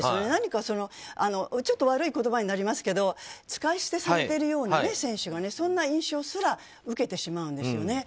何か、ちょっと悪い言葉になりますけど使い捨てされてるような選手がね、そんな印象すら受けてしまうんです。